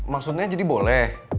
maksudnya jadi boleh